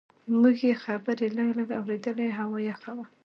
موږ یې خبرې لږ لږ اورېدلې، هوا یخه وه.